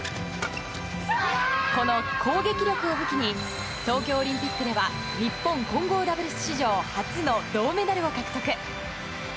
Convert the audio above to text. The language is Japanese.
この攻撃力を武器に東京オリンピックでは日本混合ダブルス史上初の銅メダルを獲得。